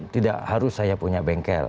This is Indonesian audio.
tidak harus saya punya bengkel